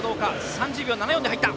３０秒７４で入った。